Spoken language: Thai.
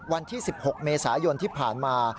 วันที่๑๖เมษายนที่ผ่านมา